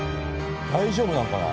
大丈夫なのかな？